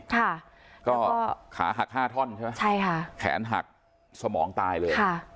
ค่ะก็ขาหักห้าท่อนใช่ไหมใช่ค่ะแขนหักสมองตายเลยค่ะ